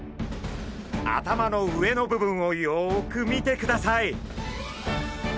頭の上の部分をよく見てください。